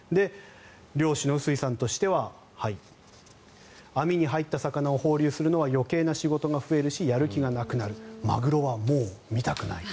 漁師の臼井さんとしては網に入った魚を放流するのは余計な仕事が増えるしやる気がなくなるマグロはもう見たくないと。